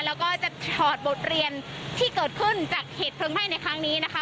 แล้วก็จะถอดบทเรียนที่เกิดขึ้นจากเหตุเพลิงไหม้ในครั้งนี้นะคะ